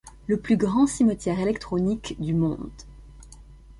Le plus grand cimetière électronique du monde.